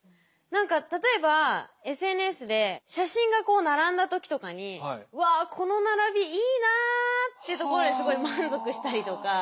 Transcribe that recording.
何か例えばＳＮＳで写真がこう並んだ時とかに「わこの並びいいな」ってところですごい満足したりとか。